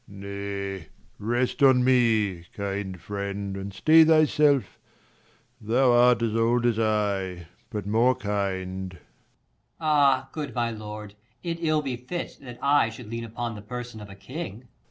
Leir. Nay, rest on me, kind friend, and stay thyself, Thou art as old as I, but more kind. Per. Ah, good my lord, it ill befits, that I 5 Should lean upon the^person of a king.